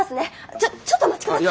ちょちょっとお待ち下さい。